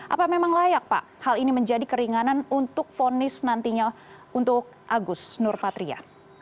apa memang layak pak hal ini menjadi keringanan untuk fonis nantinya untuk agus nurpatria